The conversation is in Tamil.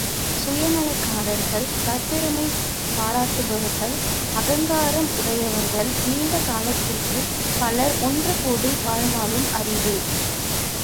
சுயநலக்காரர்கள், தற்பெருமை பாராட்டுபவர்கள், அகங்காரம் உடையவர்கள் நீண்ட காலத்திற்குப் பலர் ஒன்று கூடி வாழ்தலும் அரிது!